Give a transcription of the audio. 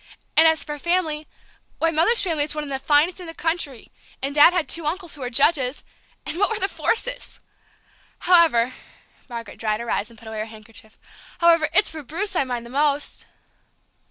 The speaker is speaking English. And as for family, why, Mother's family is one of the finest in the country, and Dad's had two uncles who were judges and what were the Forsythes! However," Margaret dried her eyes and put away her handkerchief, "however, it's for Bruce I mind most!"